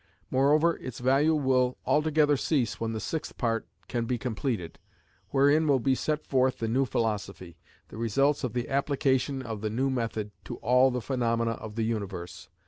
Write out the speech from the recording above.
Moreover, its value will altogether cease when the sixth part can be completed, wherein will be set forth the new philosophy the results of the application of the new method to all the phenomena of the universe.